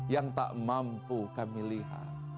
yang tak mampu kami lihat